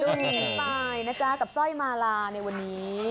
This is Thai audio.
หนีกันไปนะจ๊ะกับสร้อยมาลาในวันนี้